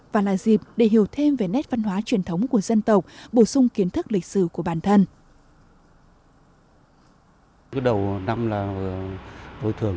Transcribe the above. và là dịp để hiểu thêm về nét văn hóa truyền thống của dân tộc bổ sung kiến thức lịch sử của bản thân